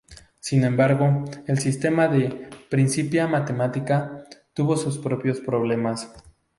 Sin embargo, el sistema de "Principia Mathematica" tuvo sus propios problemas.